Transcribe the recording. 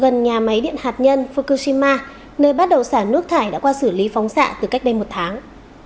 nhà máy điện hạt nhân fukushima nơi bắt đầu xả nước thải đã qua xử lý phóng xạ từ cách đây một tháng